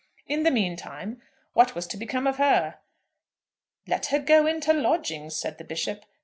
"In the mean time what was to become of her? 'Let her go into lodgings,' said the Bishop.